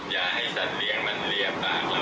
อย่าให้สัตว์เลี้ยงมันเหลี่ยมปากเราได้นะ